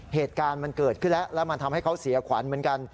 เหตุการณ์มันเกิดขึ้นแล้วแล้วมันทำให้เขาเสียขวัญเหมือนกัน